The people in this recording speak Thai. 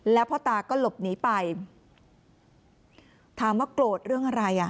แล้วพ่อตาก็หลบหนีไปถามว่าโกรธเรื่องอะไรอ่ะ